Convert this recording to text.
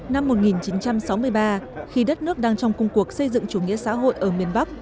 năm một nghìn chín trăm sáu mươi ba khi đất nước đang trong công cuộc xây dựng chủ nghĩa xã hội ở miền bắc